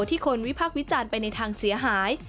ที่คนวิพากษ์วิจารณ์ไปในทางเสียหาย